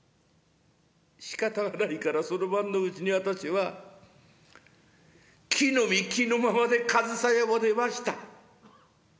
しかたがないからその晩のうちに私は着のみ着のままで上総屋を出ました。